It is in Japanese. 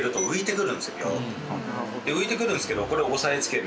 浮いてくるんですけどこれは押さえつける。